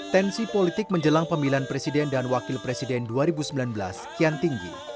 tensi politik menjelang pemilihan presiden dan wakil presiden dua ribu sembilan belas kian tinggi